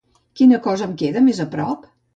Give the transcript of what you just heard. Quina cosa em queda més aprop?